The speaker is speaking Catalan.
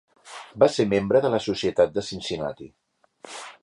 Va ser membre de la Societat de Cincinatti.